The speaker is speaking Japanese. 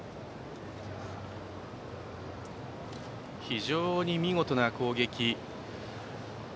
非常に見事な攻撃。